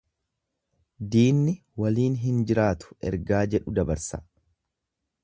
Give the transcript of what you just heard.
Diinni waliin hin jiraatu ergaa jedhu dabarsa.